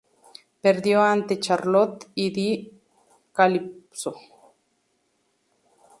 Perdió ante Charlotte Di Calypso.